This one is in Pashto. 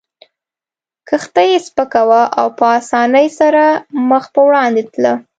کښتۍ سپکه وه او په اسانۍ سره مخ پر وړاندې تله.